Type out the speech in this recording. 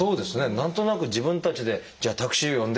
何となく自分たちで「じゃあタクシーを呼んで」